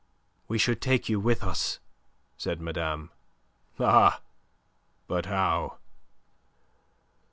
"We should take you with us," said madame. "Ah! But how?"